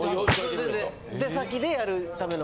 全然出先でやるための。